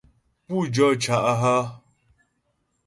Pú jó cá' hə́ ?